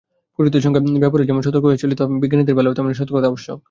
পুরোহিতদের সঙ্গে ব্যবহারে যেমন সতর্ক হইয়া চলিতে হয়, বিজ্ঞানীদের বেলায়ও তেমনি সতর্কতা আবশ্যক।